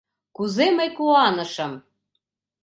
Кузе мый куанышым!..